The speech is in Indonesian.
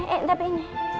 eh tapi ini